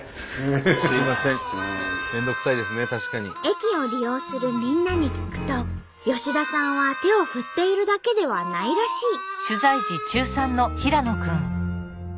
駅を利用するみんなに聞くと吉田さんは手を振っているだけではないらしい。